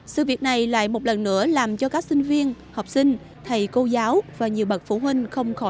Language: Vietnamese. sự việc này lại một lần nữa làm cho các sinh viên học sinh thầy cô giáo và nhiều bậc phụ huynh không khỏi